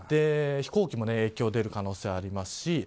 飛行機も影響が出る可能性がありますし